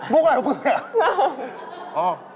แปลว่ามีอยู่ไหน